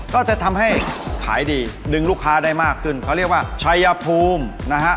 ก็จะทำให้ขายดีดึงลูกค้าได้มากขึ้นเขาเรียกว่าชัยภูมินะฮะ